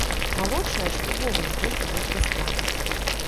Малодшая ж увогуле толькі выйшла з крамы.